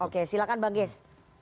oke silakan mbak gies